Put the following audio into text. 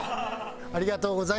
ありがとうございます。